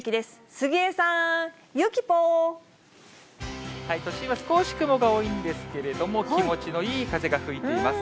杉江さん、都心は少し雲が多いんですけれども、気持ちのいい風が吹いています。